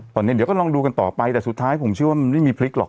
ตอนนี้เดี๋ยวก็ลองดูกันต่อไปแต่สุดท้ายผมเชื่อว่ามันไม่มีพลิกหรอก